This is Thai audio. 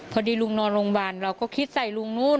พอดีลุงนอนโรงพยาบาลเราก็คิดใส่ลุงนู้น